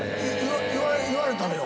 言われたのよ。